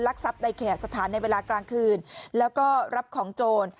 ทรัพย์ในแขกสถานในเวลากลางคืนแล้วก็รับของโจร